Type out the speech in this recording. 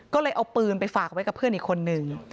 ก็เลยเอาปืนไปฝากไว้กับเพื่อนอีกคนนึง